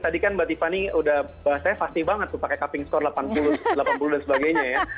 tadi kan mbak tiffany udah bahas saya pasti banget tuh pakai cupping score delapan puluh dan sebagainya ya